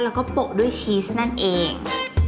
แล้วก็โปะด้วยชีสนั่นเอง